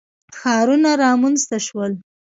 ښارونه رامنځته شول.